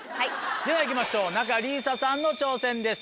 ではいきましょう仲里依紗さんの挑戦です。